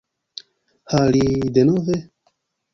Ha, li... denove?!